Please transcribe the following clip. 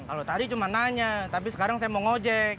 kalau tadi cuma nanya tapi sekarang saya mau ngojek